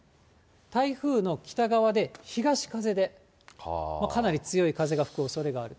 台風の北側で、東風でかなり強い風が吹くおそれがあると。